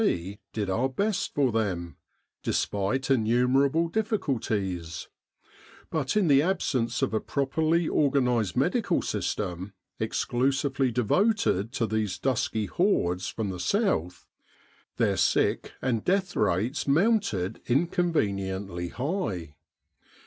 C. did our best for them, despite innumerable difficulties; but in the absence of a properly organised medical system, exclusively devoted to these dusky hordes from the 278 The Egyptian Labour Corps South, their sick and death rates mounted incon veniently high.